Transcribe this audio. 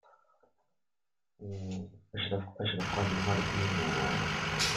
Son chef-lieu est la ville d'Aurangabad.